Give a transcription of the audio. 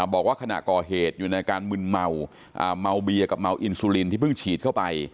บอกว่าขณะก่อเหตุอยู่ในอาการมึนเมาเมาเบียกับเมาอินซูลินที่เพิ่งฉีดเข้าไป